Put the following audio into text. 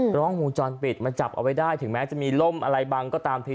กล้องวงจรปิดมันจับเอาไว้ได้ถึงแม้จะมีล่มอะไรบังก็ตามที